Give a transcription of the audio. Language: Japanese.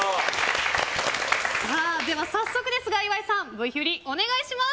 早速ですが、岩井さんＶ振りお願いします。